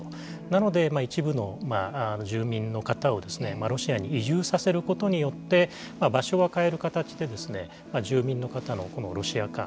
なので一部の住民の方をロシアに移住させることによって場所は変える形で住民の方のロシア化